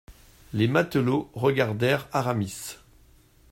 Les matelots regardèrent Aramis.